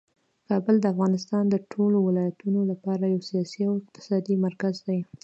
کابل د افغانستان د ټولو ولایتونو لپاره یو سیاسي او اقتصادي مرکز دی.